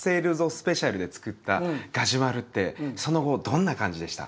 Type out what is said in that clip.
スペシャル」でつくったガジュマルってその後どんな感じでした？